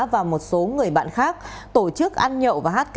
và một số người bạn khác tổ chức ăn nhậu trú cùng xã trú cùng xã